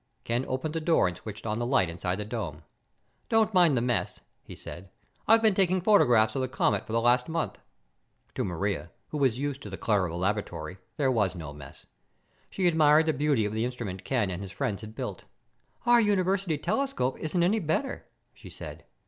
Ken opened the door and switched on the light inside the dome. "Don't mind the mess," he said. "I've been taking photographs of the comet for the last month." To Maria, who was used to the clutter of a laboratory, there was no mess. She admired the beauty of the instrument Ken and his friends had built. "Our university telescope isn't any better," she said.